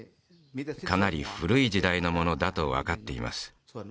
かなり古い時代のものだと分かっています